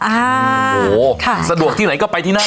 โอ้โหสะดวกที่ไหนก็ไปที่นั่น